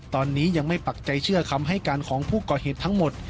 ตอนนี้ยังไม่ปักใจเชื่อคำให้การของผู้ก่อเหตุทั้งหมด